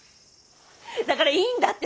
だからいいんだって！